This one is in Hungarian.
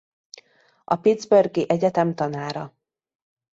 A Pittsburghi Egyetem tanára.